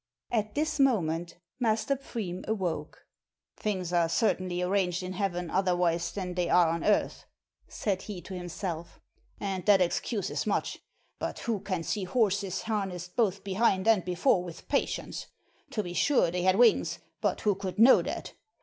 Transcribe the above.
At this moment Master Pfriem awoke. "Things are certainly arranged in heaven otherwise than they are on earth," said he to himself, "and that excuses much; but who can see horses harnessed both behind and before with patience; to be sure they had wings, but who could know that?